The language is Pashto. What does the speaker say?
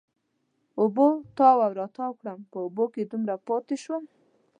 اوبو تاو را تاو کړم، په اوبو کې دومره پاتې شوم.